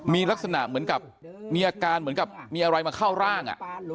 มีลักษณะเหมือนกับมีอาการเหมือนกับมีอะไรมาเข้าร่าง